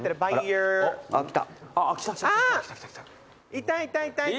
いたいたいたいた。